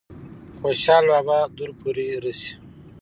خوشحال بابا دور پورې رسي ۔